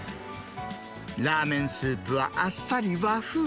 ラーメンスープはあっさり和風。